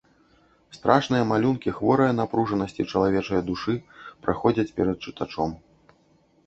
Страшныя малюнкі хворае напружанасці чалавечае душы праходзяць перад чытачом.